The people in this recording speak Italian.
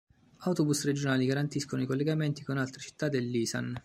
Autobus regionali garantiscono i collegamenti con altre città dell'Isan.